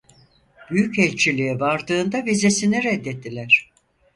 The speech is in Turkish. Büyükelçiliğe vardığında vizesini reddettiler.